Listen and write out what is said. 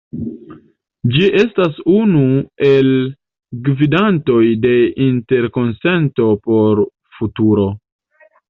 Ŝi estas unu el gvidantoj de Interkonsento por Futuro.